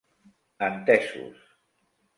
Entesos!